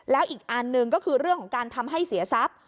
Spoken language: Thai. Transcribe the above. แล้วอีกอันหนึ่งก็คือเรื่องของการทำให้เสียทรัพย์